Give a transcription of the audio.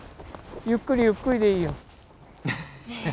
ゆっくりゆっくりでいいよ。